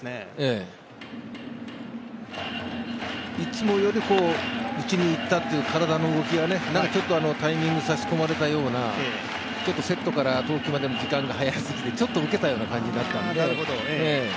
いつもより打ちにいったという体の動きがなんかちょっとタイミング差し込まれたような、ちょっとセットから投球までの時間が早くてちょっと受けたような感じになったので。